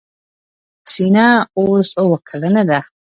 حسينه اوس اوه کلنه ده.